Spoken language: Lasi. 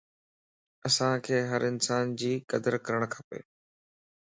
اسانک ھر انسان جي قدر ڪرڻ کپ